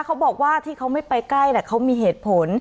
เขาบอกว่าที่เขาไม่ไปใกล้เขามีเหตุผล